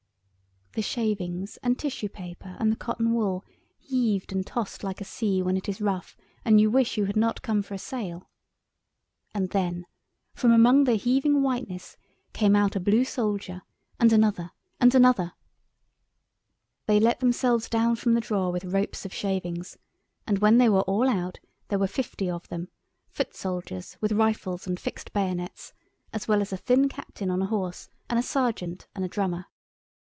The shavings and tissue paper and the cotton wool heaved and tossed like a sea when it is rough and you wish you had not come for a sail. And then from among the heaving whiteness came out a blue soldier, and another and another. They let themselves down from the drawer with ropes of shavings, and when they were all out there were fifty of them—foot soldiers with rifles and fixed bayonets, as well as a thin captain on a horse and a sergeant and a drummer.